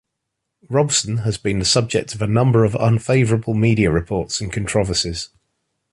Robson has been the subject of a number of unfavourable media reports and controversies.